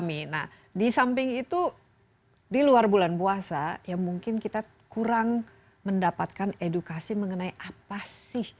itu di luar bulan puasa ya mungkin kita kurang mendapatkan edukasi mengenai apa sih